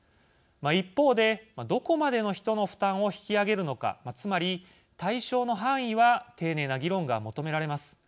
一方で、どこまでの人の負担を引き上げるのかつまり、対象の範囲は丁寧な議論が求められます。